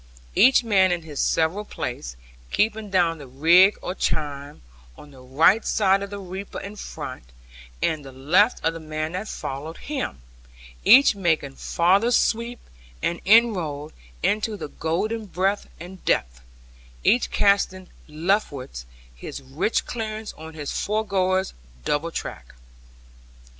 Each man in his several place, keeping down the rig or chine, on the right side of the reaper in front, and the left of the man that followed him, each making farther sweep and inroad into the golden breadth and depth, each casting leftwards his rich clearance on his foregoer's double track.